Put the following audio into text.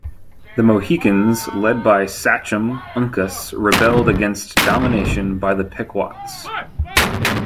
The Mohegans led by "sachem" Uncas rebelled against domination by the Pequots.